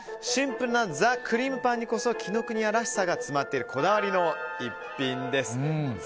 シンプルなＴＨＥクリームパンにこそ紀ノ国屋らしさが詰まっているこだわりの逸品です。